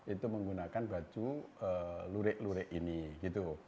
itu menggunakan baju lurik lurik ini gitu